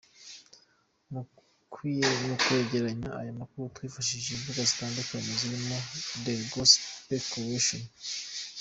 Mu kwegereranya aya makuru twifashishije imbuga zitandukanye zirimo The gospelcoalition.